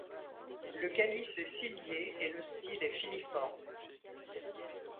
Le calice est cilié et le style est filiforme.